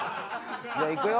じゃあいくよ。